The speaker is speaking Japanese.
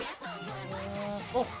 あっ！